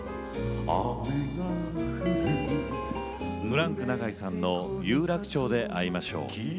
フランク永井さんの「有楽町で逢いましょう」。